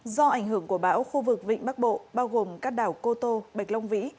do ảnh hưởng của bão khu vực vịnh bắc bộ bao gồm các đảo cô tô bạch long vĩ